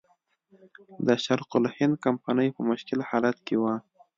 د شرق الهند کمپنۍ په مشکل حالت کې وه.